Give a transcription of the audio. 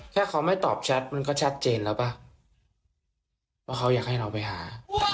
แค่เขาไม่ตอบแชทมันก็ชัดเจนแล้วป่ะว่าเขาอยากให้เราไปหา